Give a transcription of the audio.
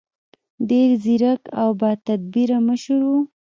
ډېر ځیرک او باتدبیره مشر و.